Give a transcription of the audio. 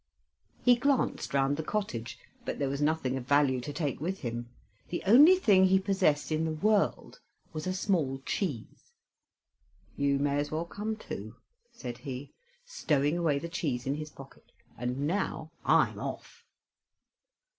He glanced round the cottage, but there was nothing of value to take with him. The only thing he possessed in the world was a small cheese. "You may as well come, too," said he, stowing away the cheese in his pocket, "and now I'm off."